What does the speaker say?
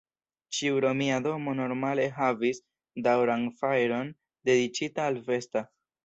Ĉiu romia domo normale havis daŭran fajron dediĉita al Vesta.